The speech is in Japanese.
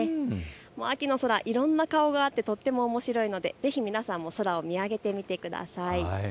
秋の空、いろんな顔があってとてもおもしろいのでぜひ皆さんも空を見上げてみてください。